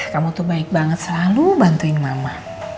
kamu tuh baik banget selalu bantuin mama